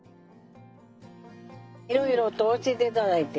いろいろと教えて頂いて。